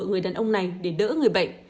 người đàn ông này để đỡ người bệnh